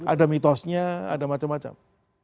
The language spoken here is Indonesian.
ada mitosnya ada macam macam